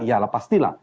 iya lah pastilah